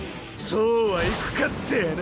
そうはいくかってぇの。